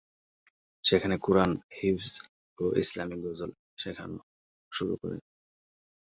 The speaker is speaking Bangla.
সেখানে কুরআন, হিফজ ও ইসলামী গজল শেখানো শুরু করেন।